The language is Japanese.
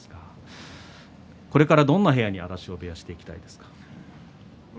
これからどんな部屋にしていきたいですか？